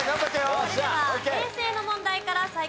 それでは平成の問題から再開です。